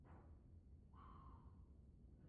Eso fue lo que aprovecharon los chilenos.